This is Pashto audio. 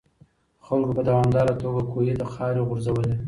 خلکو په دوامداره توګه کوهي ته خاورې غورځولې.